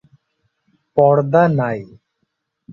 পর্দা নাই।